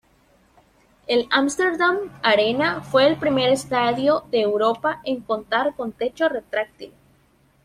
El Amsterdam Arena fue el primer estadio de Europa en contar con techo retráctil.